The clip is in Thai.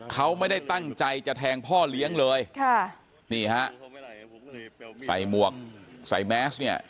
เขาไม่ได้ตั้งใจจะแทงพ่อเลี้ยงเลยค่ะนี่ฮะใส่หมวกใส่แมสเนี่ย